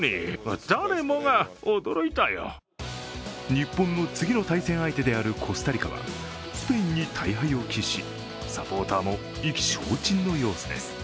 日本の次の対戦相手であるコスタリカはスペインに大敗を喫し、サポーターも意気消沈の様子です。